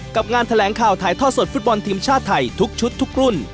กับงานแถลงข่าวถ่ายทอดสดฟุตบอลทีมชาติไทยทุกชุดทุกรุ่น